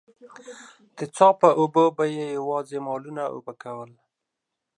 د څاه په اوبو به يې يواځې مالونه اوبه کول.